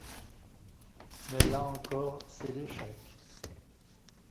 Mais là encore, c'est l'échec.